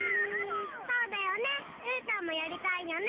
そうだよねうーたんもやりたいよね。